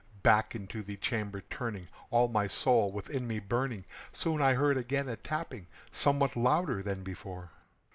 Back into the chamber turning, all my soul within me burning, Soon I heard again a tapping, somewhat louder than before.